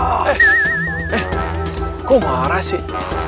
eh eh kok marah sih